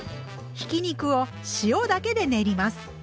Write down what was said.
ひき肉を塩だけで練ります。